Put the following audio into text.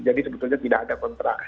jadi sebetulnya tidak ada kontra